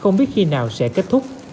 không biết khi nào sẽ kết thúc